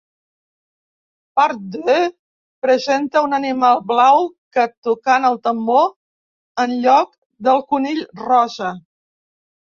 Part Deux, presenta un animal blau que tocant el tambor en lloc del conill rosa.